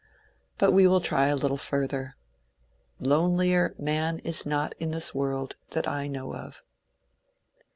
But we will try a little further. Lonelier man is not in this world that I know of.